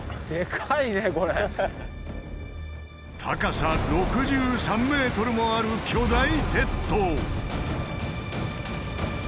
高さ６３ｍもある巨大鉄塔。